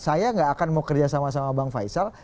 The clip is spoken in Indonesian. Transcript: saya gak akan mau kerjasama sama bank faisal